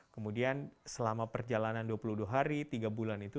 kemudian selama perjalanan dua puluh dua hari tiga bulan itu